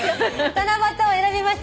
「七夕」を選びました